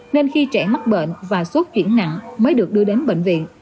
nên khi trẻ mắc bệnh và sốt chuyển nặng mới được đưa đến bệnh viện